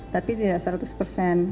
tapi tidak seratus persen